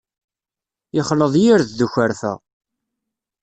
Yexleḍ yired d ukerfa.